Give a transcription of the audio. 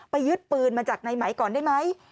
ยึดปืนมาจากในไหมก่อนได้ไหม